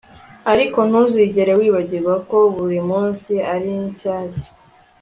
ariko ntuzigere wibagirwa ko burimunsi ari shyashya